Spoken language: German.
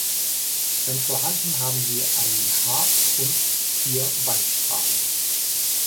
Wenn vorhanden haben sie einen Hart- und vier Weichstrahlen.